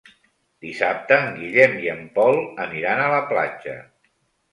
Dissabte en Guillem i en Pol aniran a la platja.